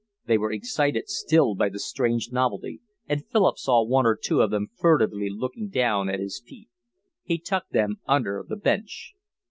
They were excited still by the strange novelty, and Philip saw one or two of them furtively looking down at his feet. He tucked them under the bench.